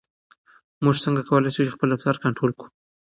موږ څنګه کولای شو خپل رفتار کنټرول کړو؟